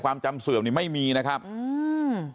ความจำเสื่อมนี่ไม่มีนะครับอืม